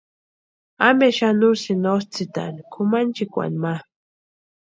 ¿Ampe xani úsïni otsʼïtani kʼumanchikwani ma?